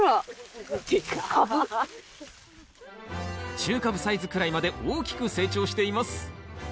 中カブサイズくらいまで大きく成長しています。